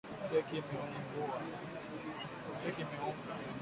Keki imeungua